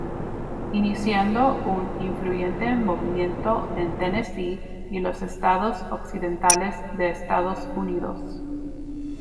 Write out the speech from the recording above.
Iniciando un influyente movimiento en Tennessee y los estados occidentales de Estados Unidos.